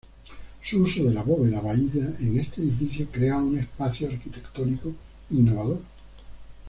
Su uso de la bóveda vaída en este edificio crean un espacio arquitectónico innovador.